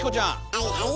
はいはい。